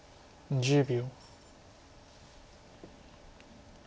１０秒。